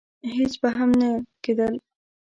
هېڅ به هم نه کېدل.